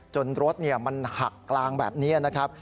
รถมันหักกลางแบบนี้นะครับ